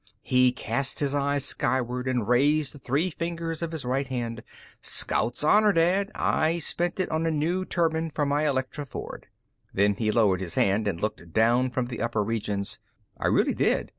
He cast his eyes skyward, and raised the three fingers of his right hand. "Scout's Honor, Dad, I spent it on a new turbine for my ElectroFord." Then he lowered his hand and looked down from the upper regions. "I really did.